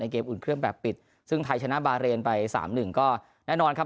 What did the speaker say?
เกมอุ่นเครื่องแบบปิดซึ่งไทยชนะบาเรนไปสามหนึ่งก็แน่นอนครับ